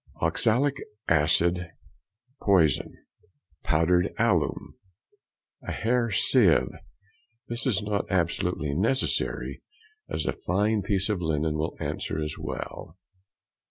Oxalic acid (poison). Powdered alum. |160| A hair sieve. This is not absolutely necessary, as a fine piece of linen will answer as well.